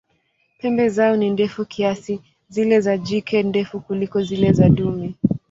Pembe zao ni ndefu kiasi, zile za jike ndefu kuliko zile za dume.